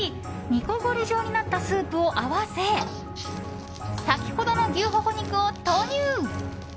煮こごり状になったスープを合わせ先ほどの牛ほほ肉を投入。